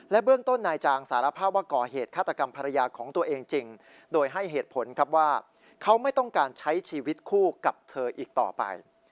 เบื้องต้นนายจางสารภาพว่าก่อเหตุฆาตกรรมภรรยาของตัวเองจริงโดยให้เหตุผลครับว่าเขาไม่ต้องการใช้ชีวิตคู่กับเธออีกต่อไป